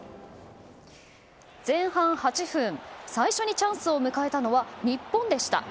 前半８分最初にチャンスを迎えたのは日本でした。